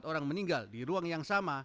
empat orang meninggal di ruang yang sama